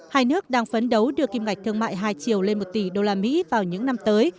hai nước đang phấn đấu đưa kim ngạch thương mại hai triệu lên một tỷ usd vào những năm tới